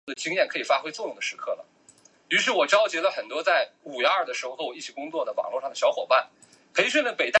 该枪的名字来自于双连击之上在短时间内连续射出两发子弹。